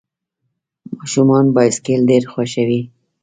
ماشومان بایسکل ډېر خوښوي.